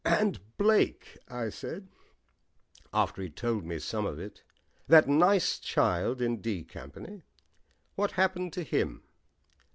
"And Blake," I said, after he'd told me some of it, "that nice child in 'D' Company; what happened to him?"